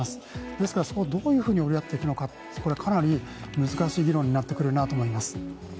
ですから、どういうふうにやっていくのか、かなり難しい議論になってくるなと思います。